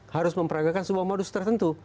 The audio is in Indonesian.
harus memperagakan sebuah modus tertentu